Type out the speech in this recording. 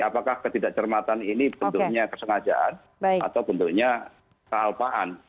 apakah ketidak cermatan ini bentuknya kesengajaan atau bentuknya kealpaan